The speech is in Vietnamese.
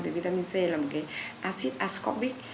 thì vitamin c là một cái acid ascorbic